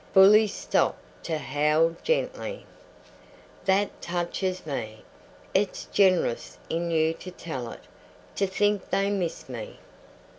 Bully stopped to howl gently. "That touches me. It's generous in you to tell it. To think they missed me!"